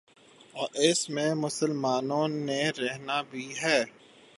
اور اس میں مسلمانوں نے رہنا بھی ہے۔